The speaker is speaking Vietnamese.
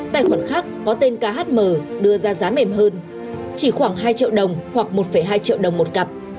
tài khoản khác có tên khm đưa ra giá mềm hơn chỉ khoảng hai triệu đồng hoặc một hai triệu đồng một cặp